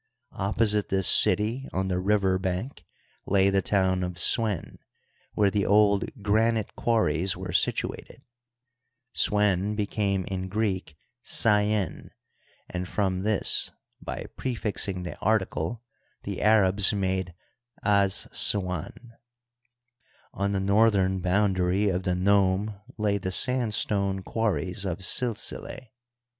Opposite this city, on the river bank, lay the town of Swen, where the old granite quarries were situated ; Swen became in Greek Syene^ and from this, by prefixing the article, the Arabs made Assuan, On the northern boundary of the nome lay the sandstone quarries of Silsileh.